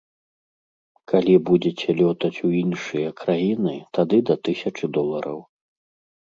Калі будзеце лётаць у іншыя краіны, тады да тысячы долараў.